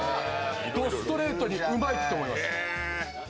どストレートにうまいと思いました。